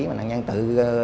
mà nạn nhân tự